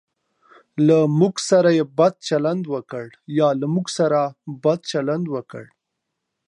له موږ سره بد چلند وکړ.